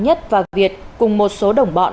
nhất và việt cùng một số đồng bọn